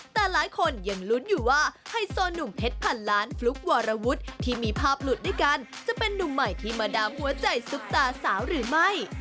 แต่หลายคนยังลุ้นอยู่ว่าไฮโซหนุ่มเพชรพันล้านฟลุ๊กวรวุฒิที่มีภาพหลุดด้วยกันจะเป็นนุ่มใหม่ที่มาดามหัวใจซุปตาสาวหรือไม่